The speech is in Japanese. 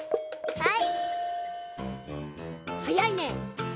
はい。